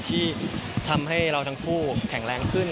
ที่ทำให้เราทั้งคู่แข็งแรงขึ้น